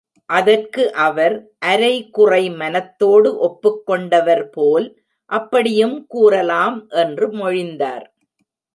அதற்கு அவர், அரை குறை மனத்தோடு ஒப்புக் கொண்டவர் போல் அப்படியும் கூறலாம் என்று மொழிந்தார்.